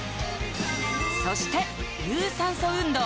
そして有酸素運動